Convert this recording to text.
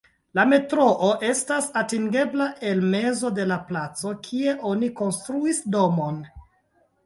La metroo estas atingebla el mezo de la placo, kie oni konstruis domon.